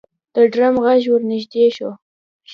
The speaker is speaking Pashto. د ډرم غږ ورنږدې شو.